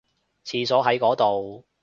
廁所喺嗰度